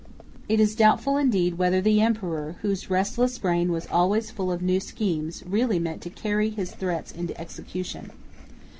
It is doubtful indeed whether the emperor, whose restless brain was always full of new schemes, really meant to carry his threats into execution.